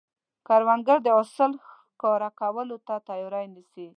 کروندګر د حاصل ښکاره کولو ته تیاری نیسي